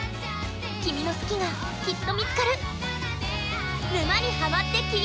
君の好きが、きっと見つかる。